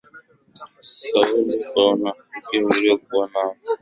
Sauli kwa unafiki aliokuwa nao.